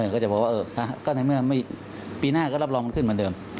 ก็จะบอกว่าปีหน้าก็รับรองมันขึ้นเหมือนเดิม